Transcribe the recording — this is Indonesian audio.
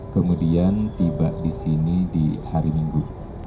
kemudian tiba disini di hari minggu